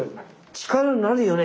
力になるよね。